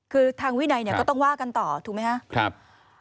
คือทางวินัยง็ต้องว่ากันต่อถูกมั้ยครับ